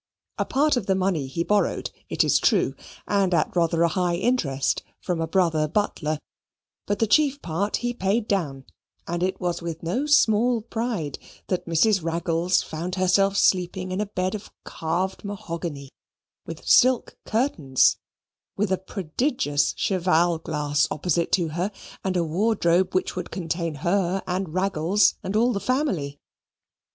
A part of the money he borrowed, it is true, and at rather a high interest, from a brother butler, but the chief part he paid down, and it was with no small pride that Mrs. Raggles found herself sleeping in a bed of carved mahogany, with silk curtains, with a prodigious cheval glass opposite to her, and a wardrobe which would contain her, and Raggles, and all the family.